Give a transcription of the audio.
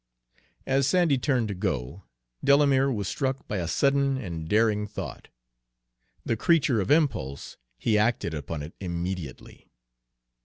As Sandy turned to go, Delamere was struck by a sudden and daring thought. The creature of impulse, he acted upon it immediately.